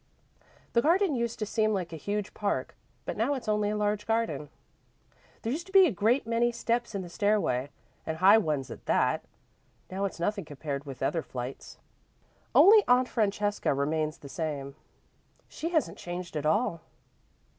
The garden used to seem like a huge park, but now it's only a large garden. There used to be a great many steps in the stairway, and high ones at that. Now it's nothing compared with other flights. Only Aunt Francesca remains the same. She hasn't changed at all."